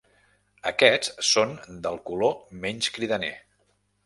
Aquests són del color menys cridaner.